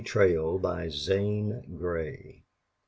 TRAIL By Zane Grey